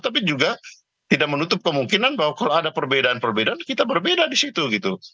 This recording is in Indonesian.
tapi juga tidak menutup kemungkinan bahwa kalau ada perbedaan perbedaan kita berbeda di situ gitu